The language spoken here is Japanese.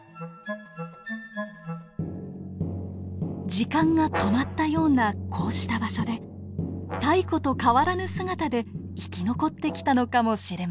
時間が止まったようなこうした場所で太古と変わらぬ姿で生き残ってきたのかもしれません。